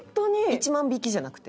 １万匹じゃなくて？